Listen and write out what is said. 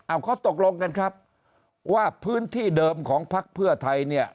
เอาเขาตกลงกันครับว่าพื้นที่เดิมของพักเพื่อไทยเนี่ย